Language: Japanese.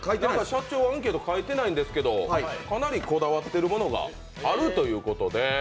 社長、アンケート書いてないんですけど、かなりこだわっているものがあるということで。